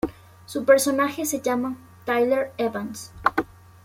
Su personaje se llama Tyler Evans.